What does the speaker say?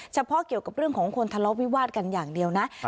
เฉพาะเกี่ยวกับเรื่องของคนทะเลาะวิวาดกันอย่างเดียวนะ